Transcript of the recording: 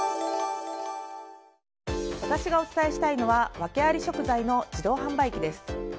私がお伝えしたいのは訳あり食材の自動販売機です。